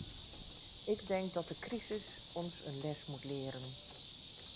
Ik denk dat de crisis ons een les moet leren.